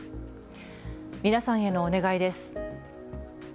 皆さんへのお願いです。